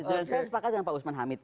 dan saya sepakat dengan pak usman hamid